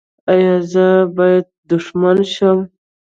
ایا زه باید دښمن شم؟